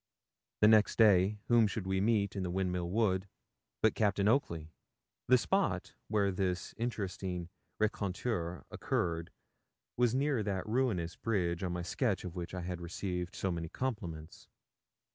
Next day whom should we meet in the Windmill Wood but Captain Oakley. The spot where this interesting rencontre occurred was near that ruinous bridge on my sketch of which I had received so many compliments.